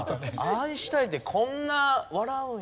アインシュタインってこんな笑うんや。